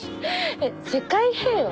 えっ世界平和？